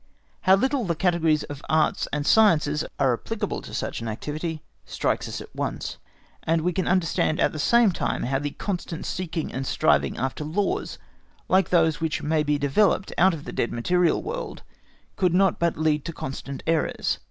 How little the categories of Arts and Sciences are applicable to such an activity strikes us at once; and we can understand at the same time how that constant seeking and striving after laws like those which may be developed out of the dead material world could not but lead to constant errors.